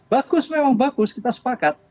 bagus memang bagus kita sepakat